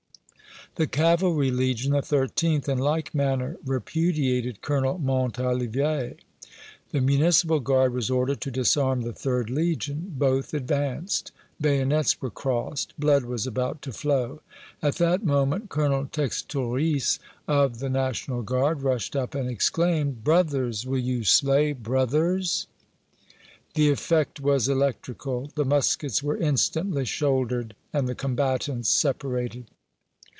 The cavalry legion, the 13th, in like manner repudiated Col. Montalivet. The Municipal Guard was ordered to disarm the 3d Legion. Both advanced bayonets were crossed blood was about to flow. At that moment Col. Textorix, of the National Guard, rushed up and exclaimed: "Brothers, will you slay brothers?" The effect was electrical. The muskets were instantly shouldered and the combatants separated.